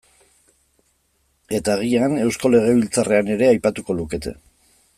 Eta agian Eusko Legebiltzarrean ere aipatuko lukete.